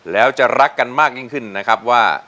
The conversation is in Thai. แล้วจะรักกันมากยิ่งขึ้นนะครับว่า